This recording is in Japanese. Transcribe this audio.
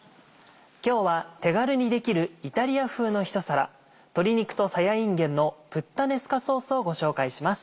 今日は手軽にできるイタリア風の一皿「鶏肉とさやいんげんのプッタネスカソース」をご紹介します。